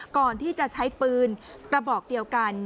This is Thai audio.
ก่อนที่จะใช้ปืนกระบอกเดียวกัน